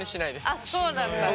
あっそうなんだ。